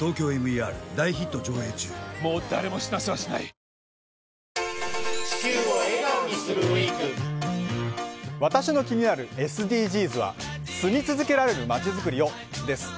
生しょうゆはキッコーマン私の気になるＳＤＧｓは「住み続けられるまちづくりを」です